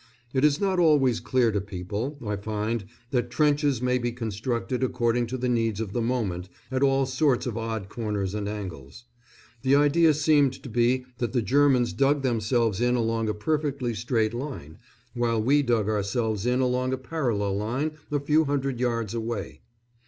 It is not always clear to people, I find, that trenches may be constructed according to the needs of the moment, at all sorts of odd corners and angles. The idea seemed to be that the Germans dug themselves in along a perfectly straight line, while we dug ourselves in along a parallel line a few hundred yards away.